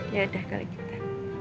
yaudah kali gitu